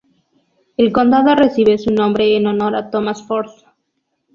El condado recibe su nombre en honor a Thomas Ford.